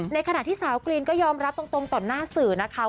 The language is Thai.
ในขณะที่สาวกรีนก็ยอมรับตรงต่อหน้าสื่อนะคะ